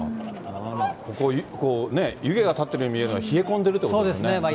ここ、湯気が立ってるように見えるのは、冷え込んでいるというこそうですね。